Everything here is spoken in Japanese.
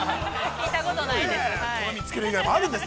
◆聞いたことないです。